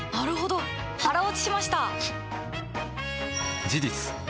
腹落ちしました！